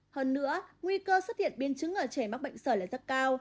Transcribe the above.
hơn nữa nguy cơ xuất hiện biến chứng ở trẻ mắc bệnh sởi là rất cao